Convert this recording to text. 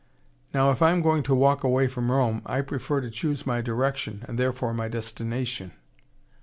Now if I am going to walk away from Rome, I prefer to choose my direction, and therefore my destination."